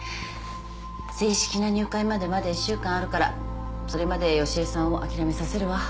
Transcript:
正式な入会までまだ１週間あるからそれまで良恵さんをあきらめさせるわ。